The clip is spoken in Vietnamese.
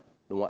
đúng không ạ